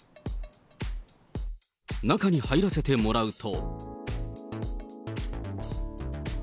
中に入らせてもらうと。